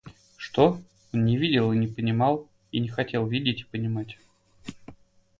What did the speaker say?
Что — он не видел и не понимал и не хотел видеть и понимать.